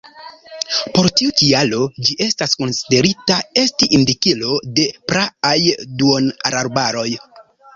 Por tiu kialo ĝi estas konsiderita esti indikilo de praaj duonarbaroj.